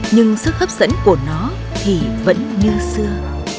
nhưng sức hấp dẫn của nó thì vẫn như xưa